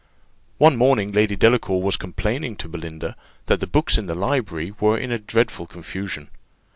One morning Lady Delacour was complaining to Belinda, that the books in the library were in dreadful confusion.